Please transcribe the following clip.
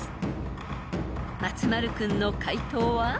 ［松丸君の解答は？］